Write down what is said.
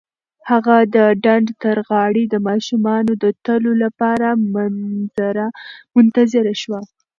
هغه د ډنډ تر غاړې د ماشومانو د تلو لپاره منتظره شوه.